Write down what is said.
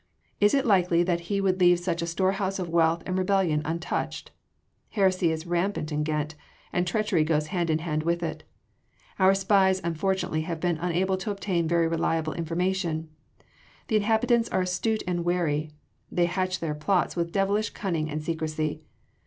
Is it likely that he would leave such a storehouse of wealth and rebellion untouched? heresy is rampant in Ghent and treachery goes hand in hand with it. Our spies unfortunately have been unable to obtain very reliable information: the inhabitants are astute and wary they hatch their plots with devilish cunning and secrecy.